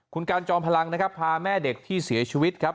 คุณการจอมพลังนะครับพาแม่เด็กที่เสียชีวิตครับ